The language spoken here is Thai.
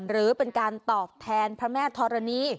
หรือเป็นการตอบแทนพระแม่ธรณี